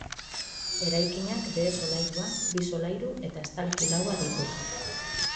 Eraikinak behe-solairua, bi solairu eta estalki laua ditu.